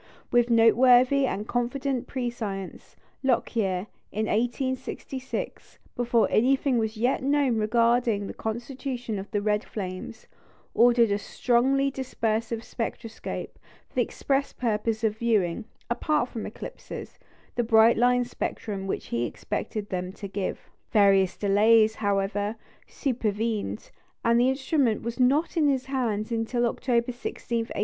With noteworthy and confident prescience, Lockyer, in 1866, before anything was yet known regarding the constitution of the "red flames," ordered a strongly dispersive spectroscope for the express purpose of viewing, apart from eclipses, the bright line spectrum which he expected them to give. Various delays, however, supervened, and the instrument was not in his hands until October 16, 1868.